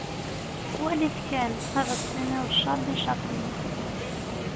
Wali-t kan, ad as-tiniḍ d Charlie Chaplin.